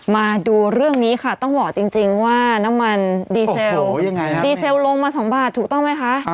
มาดูเรื่องนี้ค่ะต้องบอกจริงว่าน้ำมันดีเซลดีเซลลงมา๒บาทถูกต้องไหมคะ